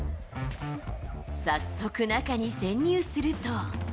早速、中に潜入すると。